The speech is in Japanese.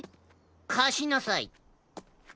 かしなさい。